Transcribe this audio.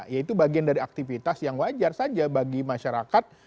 ya itu bagian dari aktivitas yang wajar saja bagi masyarakat